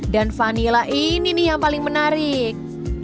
dan vanilla ini nih yang paling menarik